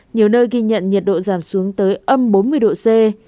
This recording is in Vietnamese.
nhiều nơi ghi nhận nhiệt độ giảm xuống tới âm bốn mươi độ c